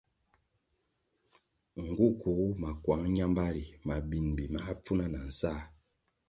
Nğu kuğu makuang ñambari mabimbi máh pfuna na nsáh.